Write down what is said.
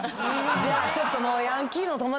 じゃあちょっと。